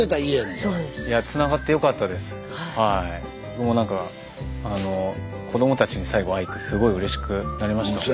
もう何か子どもたちに最後会えてすごいうれしくなりましたもんね。